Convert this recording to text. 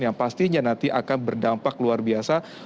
yang pastinya nanti akan berdampak luar biasa